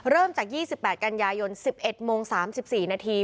เริ่มจาก๒๘กันยายน๑๑โมง๓๔นาที